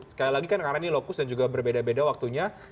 sekali lagi kan karena ini lokus dan juga berbeda beda waktunya